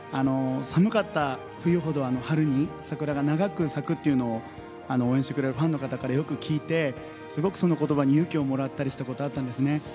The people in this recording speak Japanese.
寒かった冬ほど春に桜が長く咲くという応援してくれるファンの方からよく聞いてすごくそのことばに勇気をもらったことがあったんですね。